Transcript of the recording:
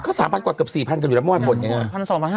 ก็๓๐๐๐กว่ากับ๔๐๐๐กันอยู่แล้วไม่ว่าหมดอย่างนี้